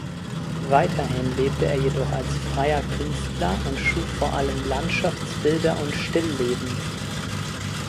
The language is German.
Weiterhin lebte er jedoch als freier Künstler und schuf vor allem Landschaftsbilder und Stillleben.